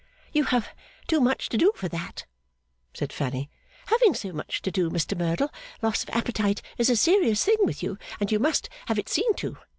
'You have too much to do for that,' said Fanny. 'Having so much to do, Mr Merdle, loss of appetite is a serious thing with you, and you must have it seen to.